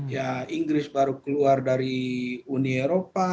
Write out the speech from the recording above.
ya inggris baru keluar dari uni eropa